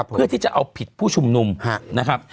เพื่อที่จะเอาผิดผู้ชุมนุมนะครับ